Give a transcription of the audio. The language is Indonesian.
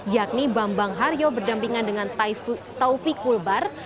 yakni bambang haryo berdampingan dengan taufik ulbar